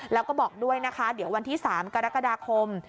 แล้วก็บอกด้วยนะคะเดี๋ยววันที่๓กรกฎาคม